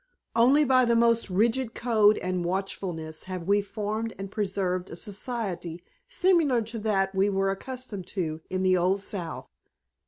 Only by the most rigid code and watchfulness have we formed and preserved a society similar to that we were accustomed to in the old South.